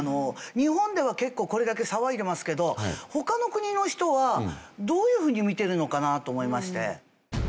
日本では結構これだけ騒いでますけど他の国の人はどういうふうに見てるのかなと思いまして。